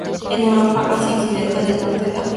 En Europa, Asia occidental, el norte de África.